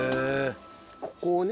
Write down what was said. ここをね。